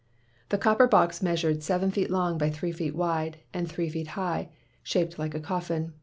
The copper box measured seven feet long by three feet wide and three feet high, shaped like a coffin.